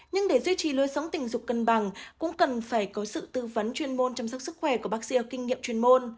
nhưng để duy trì lối sống tình dục cân bằng cũng cần phải có sự tư vấn chuyên môn chăm sóc sức khỏe của bác sĩ kinh nghiệm chuyên môn